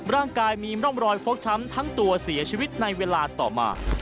ร่างกายมีร่องรอยฟกช้ำทั้งตัวเสียชีวิตในเวลาต่อมา